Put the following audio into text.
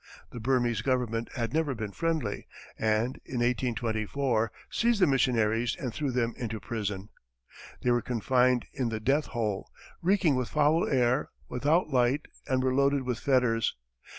The Burmese government had never been friendly, and in 1824, seized the missionaries and threw them into prison. They were confined in the "death hole," reeking with foul air, without light, and were loaded with fetters.